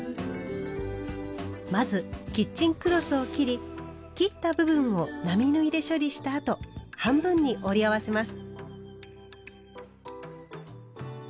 まずキッチンクロスを切り切った部分を並縫いで処理したあと半分に折り合わせます。